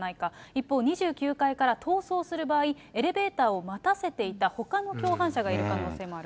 一方、２９階から逃走する場合、エレベーターを待たせていたほかの共犯者がいる可能性もある。